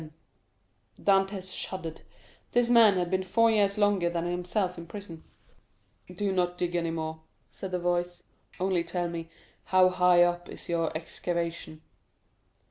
Dantès shuddered; this man had been four years longer than himself in prison. "Do not dig any more," said the voice; "only tell me how high up is your excavation?"